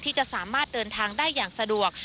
ที่จะสามารถเดินทางได้อย่างสะดวก